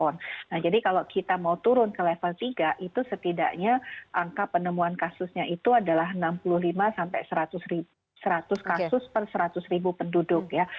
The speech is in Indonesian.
nah jadi kalau kita mau turun ke level tiga itu setidaknya angka penemuan kasusnya itu adalah enam puluh lima sampai seratus kasus per seratus ribu penduduk ya